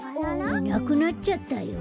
いなくなっちゃったよ。